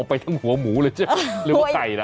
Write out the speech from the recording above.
ออกไปทั้งหัวหมูเลยใช่ไหมหรือว่าไก่ละ